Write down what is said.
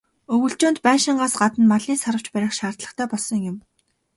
Өвөлжөөнд байшингаас гадна малын "саравч" барих шаардлагатай болсон юм.